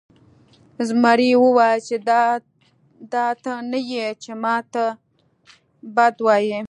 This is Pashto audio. زمري وویل چې دا ته نه یې چې ما ته بد وایې.